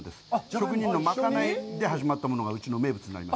職人の賄いで始まったものがうちの名物になります。